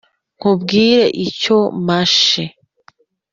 Nkubwire icyo mashe;